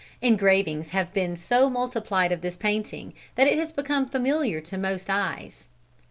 Engravings have been so multiplied of this painting, that it has become familiar to most eyes.